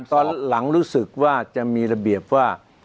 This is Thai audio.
ตอนหลังรู้สึกว่าจะมีระเบียบว่า